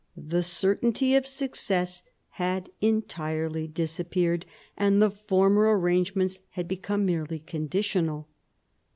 The certainty of success had entirely disappeared, and the former arrangements had become merely conditional.